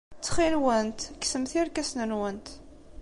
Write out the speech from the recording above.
Ttxil-went, kksemt irkasen-nwent.